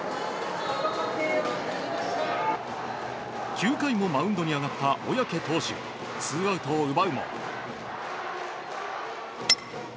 ９回もマウンドに上がった小宅投手ツーアウトを奪うも。